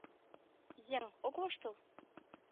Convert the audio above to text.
Еҥ ок воштыл?